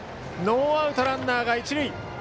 ノーアウト、ランナーが一塁。